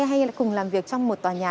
hay là cùng làm việc trong một tòa nhà